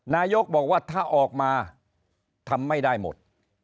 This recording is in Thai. นายกบอกว่าถ้าออกมาทำไม่ได้หมด